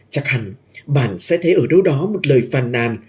chắc hẳn bạn sẽ thấy ở đâu đó một lời phàn nàn